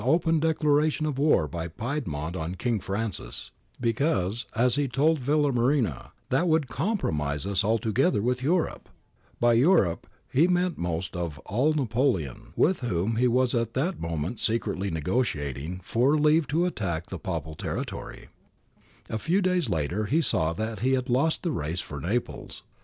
4 7^, ^.^^^^^^^^^^^^^^^^^^^ 170 GARIBALDI AND THE MAKING OF ITALY declaration of war by Piedmont on King Francis, because, as he told Villamarina, that would ' compromise us al together with Europe.' ^ By ' Europe ' he meant most of all Napoleon, with whom he was at that moment secretly negotiating for leave to attack the Papal territory. A few days later he saw that he had lost the race for Naples.